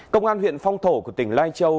công an huyện phong thổ của tỉnh lai châu